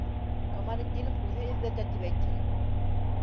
Камалетдинов үҙе әҙләтә тип әйтһен.